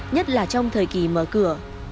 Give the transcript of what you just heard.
nhất là trong thời kỳ mở cửa